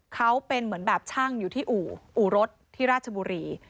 เขาเป็นเหมือนแบบช่างอยู่ที่อู่อู่รถที่ราชบุรี